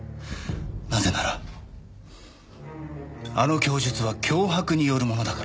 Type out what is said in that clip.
なぜならあの供述は脅迫によるものだからね。